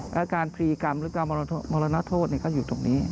และการพรีกรรมหรือการมรณโทษก็อยู่ตรงนี้